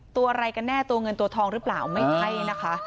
ตัวอะไรกันแน่ตัวเงินตัวทองหรือเปล่าไม่ใช่นะคะ